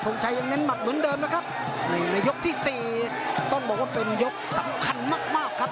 งชัยยังเน้นหมัดเหมือนเดิมนะครับนี่ในยกที่สี่ต้องบอกว่าเป็นยกสำคัญมากมากครับ